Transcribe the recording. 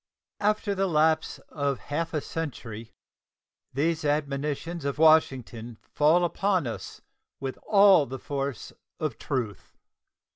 After the lapse of half a century these admonitions of Washington fall upon us with all the force of truth.